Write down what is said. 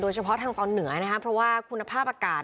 เฉพาะทางตอนเหนือนะครับเพราะว่าคุณภาพอากาศ